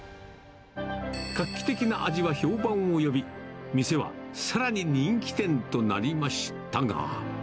画期的な味は評判を呼び、店はさらに人気店となりましたが。